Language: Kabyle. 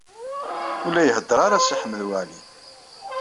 Ur la iheddeṛ ara Si Ḥmed Waɛli.